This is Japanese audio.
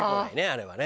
あれはね。